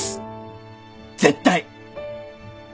絶対！